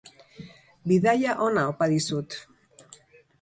Bidaia ona opa dizut.